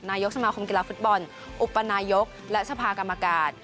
นายกสมาคมกีฬาฟุตบอลอุปนายกและสภากรรมการ